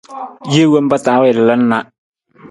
Jee wompa ta wii lalan na.